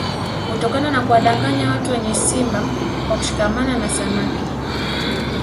Kutokana na kuwadanganya watu wenye simba kwa kushikamana na samaki